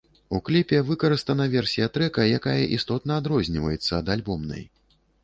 У кліпе выкарыстана версія трэка, якая істотна адрозніваецца ад альбомнай.